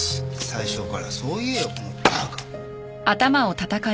最初からそう言えよこのバカ！